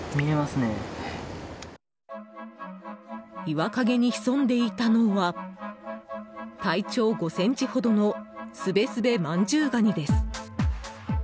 岩陰に潜んでいたのは体長５ｃｍほどのスベスベマンジュウガニです。